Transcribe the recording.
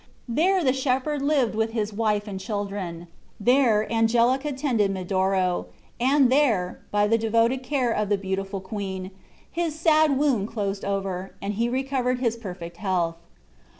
There the shepherd lived with his wife and children. There Angelica tended Medoro, and there, by the devoted care of the beautiful queen, his sad wound closed over, and he recovered his perfect health.